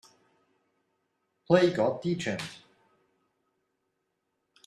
Play Got Djent?